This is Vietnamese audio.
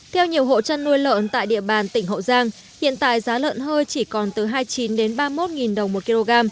theo nhiều hộ chăn nuôi lợn tại địa bàn tỉnh hậu giang hiện tại giá lợn hơi chỉ còn từ hai mươi chín ba mươi một đồng một kg